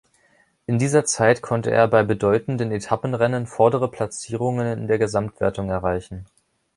In dieser Zeit konnte er bei bedeutenden Etappenrennen vordere Platzierungen in der Gesamtwertung erreichen.